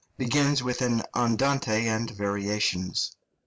begins with an andante and variations.